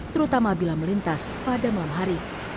terutama bila melintas pada malam hari